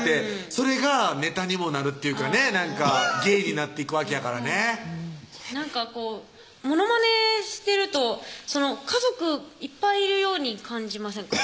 それがネタにもなるっていうかねなんか芸になっていくわけやからねなんかこうモノマネしてると家族いっぱいいるように感じませんか？